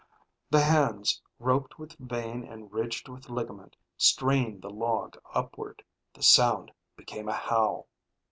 The hands, roped with vein and ridged with ligament, strained the log upward; the sound became a howl.